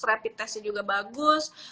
rapid testnya juga bagus